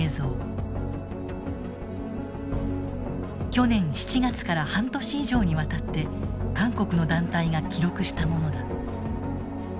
去年７月から半年以上にわたって韓国の団体が記録したものだ。